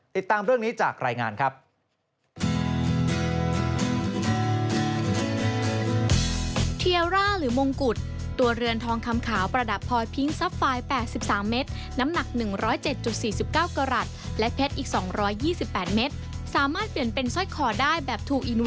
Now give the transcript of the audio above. ติดตามเรื่องนี้จากรายงานครับ